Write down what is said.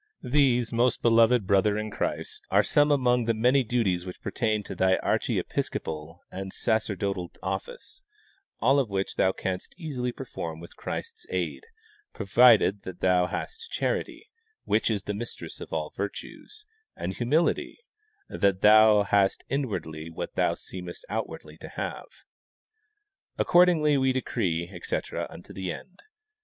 These, most beloved brother in Christ, are some among the many duties which pertain to thy archiepiscopal and sacerdotal office, all of which thou canst easily perform with Christ's aid, provided that thou hast charity, which is the mistress of all virtues, and humility, and that thou hast inwardly what thou seemest out wardly to have. Accordingly we decree, etc, unto the end.